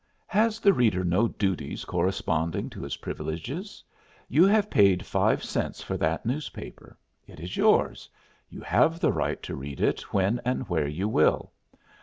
Has the reader no duties corresponding to his privileges? You have paid five cents for that newspaper. It is yours. You have the right to read it when and where you will.